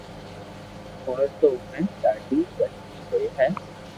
ھوئي تو اووي ڌاڌي رݾ ھوئي ھي